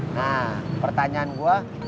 nah pertanyaan gua